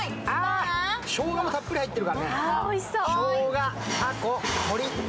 しょうがもたっぷり入ってるからね、しょうが、たこ、鶏。